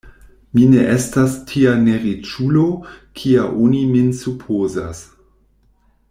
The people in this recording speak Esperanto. Mi ne estas tia neriĉulo, kia oni min supozas.